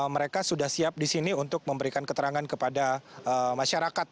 mereka sudah siap disini untuk memberikan keterangan kepada masyarakat